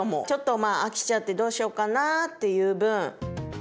ちょっと飽きちゃってどうしようかな？っていう分。